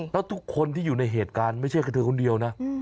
แล้วทุกคนที่อยู่ในเหตุการณ์ไม่ใช่แค่เธอคนเดียวนะ